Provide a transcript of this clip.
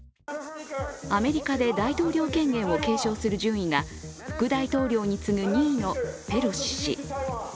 アメリカで大統領権限を継承する順位が副大統領に次ぐ２位のペロシ氏。